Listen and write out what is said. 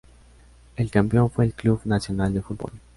El campeón fue el Club Nacional de Football.